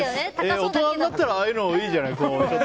大人になったらああいうのいいじゃない。